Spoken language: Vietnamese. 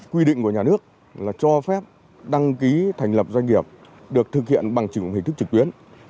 quy định của nhà nước là cho phép đăng ký thành lập doanh nghiệp được thực hiện bằng chứng hình thức trực tuyến